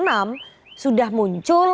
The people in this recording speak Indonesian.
a enam sudah muncul